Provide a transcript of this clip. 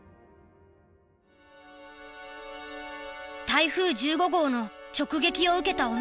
台風１５号の直撃を受けたお店。